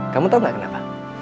kamu tau gak kenapa